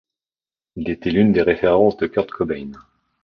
Il était l'une des références de Kurt Cobain.